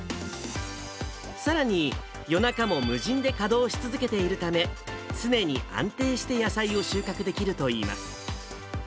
さらに夜中も無人で稼働し続けているため、常に安定して野菜を収穫できるといいます。